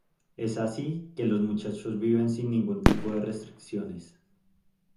Es así que los muchachos viven sin ningún tipo de restricciones.